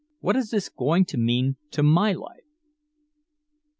What is this going to mean to my life?"